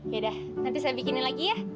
yaudah nanti saya bikinin lagi ya